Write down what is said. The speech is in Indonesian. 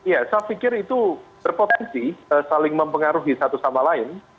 ya saya pikir itu berpotensi saling mempengaruhi satu sama lain